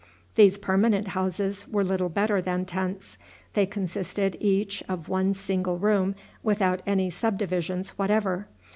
These permanent houses were little better than tents. They consisted each of one single room without any subdivisions whatever.